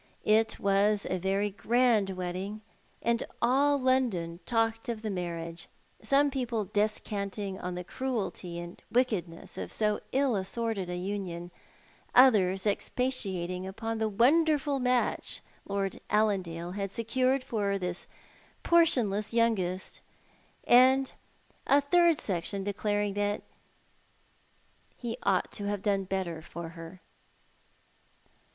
It was a very grand wedding, and all London talked of the marriage ; some people descantiug on the cruelty and wickedness of so ill assorted a union ; others expatiating upon the wonderful match Lord Allandale had secured for his portionless youngest; and a third section declaring that he ought to have done better for her.